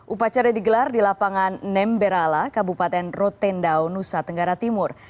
upacara digelar di lapangan nemberala kabupaten rotendau nusa tenggara timur